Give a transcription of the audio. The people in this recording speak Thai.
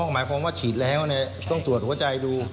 หมายความว่าฉีดแล้วต้องตรวจหัวใจดู